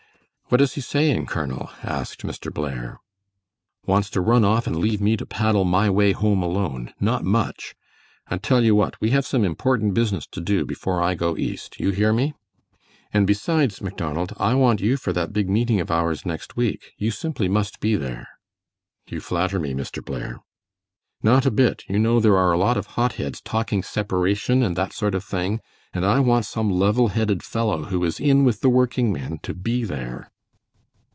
"What is he saying, Colonel?" asked Mr. Blair. "Wants to run off and leave me to paddle my way home alone. Not much! I tell you what, we have some important business to do before I go East. You hear me?" "And besides, Macdonald, I want you for that big meeting of ours next week. You simply must be there." "You flatter me, Mr. Blair." "Not a bit; you know there are a lot of hot heads talking separation and that sort of thing, and I want some level headed fellow who is in with the working men to be there."